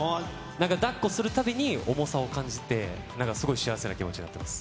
なんかだっこするたびに、重さを感じて、なんかすごい幸せな気持ちになっています。